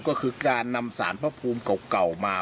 ก็คือการนำสารพระภูมิเก่ามา